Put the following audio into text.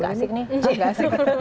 gak asik nih